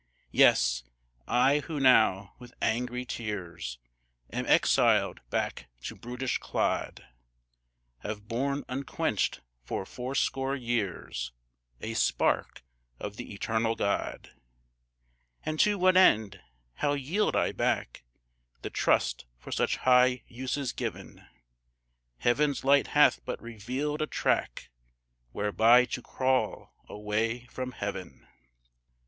Yes, I who now, with angry tears, Am exiled back to brutish clod, Have borne unquenched for fourscore years A spark of the eternal God; And to what end? How yield I back The trust for such high uses given? Heaven's light hath but revealed a track Whereby to crawl away from heaven.